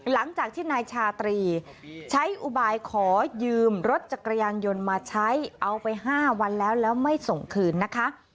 หลังจากที่นายชาตรีใช้อุบายขอยืมรถจักรยานยนต์มาใช้เอาไป๕วันแล้วแล้วไม่ส่งคืนนะคะ